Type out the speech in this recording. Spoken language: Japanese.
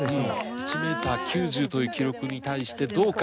１メートル９０という記録に対してどうか？